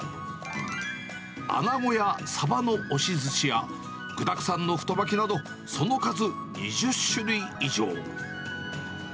アナゴやサバの押しずしや、具だくさんの太巻きなどその数、２０種類以上。